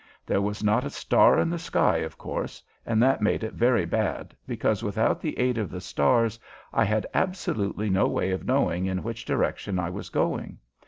There was not a star in the sky, of course, and that made it very bad, because without the aid of the stars I had absolutely no way of knowing in which direction I was going.